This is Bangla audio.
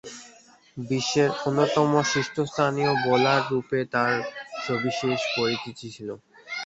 বিশ্বের অন্যতম শীর্ষস্থানীয় বোলাররূপে তার সবিশেষ পরিচিতি ছিল।